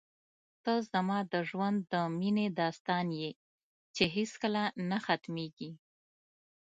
ته زما د ژوند د مینې داستان یې چې هېڅکله نه ختمېږي.